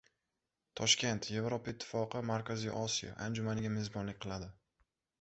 Toshkent “Yevropa Ittifoqi — Markaziy Osiyo” anjumaniga mezbonlik qiladi